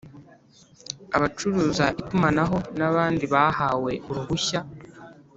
Abacuruza itumanaho n abandi bahawe uruhushya